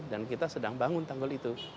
dan kita sedang bangun tanggul itu